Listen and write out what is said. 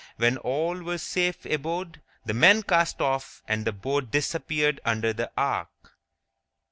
When all were safe aboard, the men cast off and the boat disappeared under the arch.